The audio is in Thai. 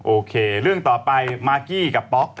โอเคเรื่องต่อไปมากกี้กับป๊อก